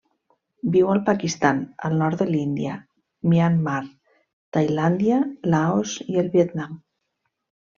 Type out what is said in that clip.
Viu al Pakistan, el nord de l'Índia, Myanmar, Tailàndia, Laos i el Vietnam.